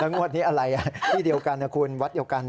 งวดนี้อะไรที่เดียวกันนะคุณวัดเดียวกัน